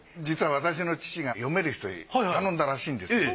実は私の父が読める人に頼んだらしいんです。